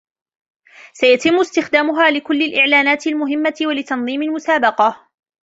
سيتم استخدامها لكل الاعلانات المهمة و لتنظيم المسابقة.